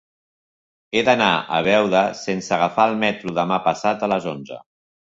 He d'anar a Beuda sense agafar el metro demà passat a les onze.